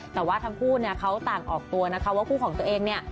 แต่ว่าทั้งคู่เนี่ยเขาต่างออกตัวนะคะว่าคู่ของตัวเองเนี่ย